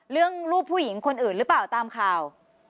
รูปผู้หญิงคนอื่นหรือเปล่าตามข่าว